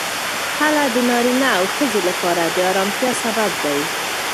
خلع د نارینه او ښځې لپاره د آرامتیا سبب دی.